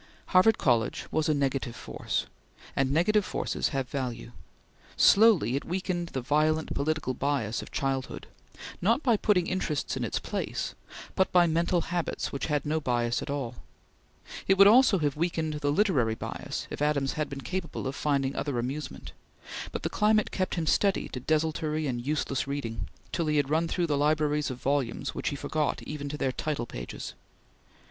Harvard College was a negative force, and negative forces have value. Slowly it weakened the violent political bias of childhood, not by putting interests in its place, but by mental habits which had no bias at all. It would also have weakened the literary bias, if Adams had been capable of finding other amusement, but the climate kept him steady to desultory and useless reading, till he had run through libraries of volumes which he forgot even to their title pages.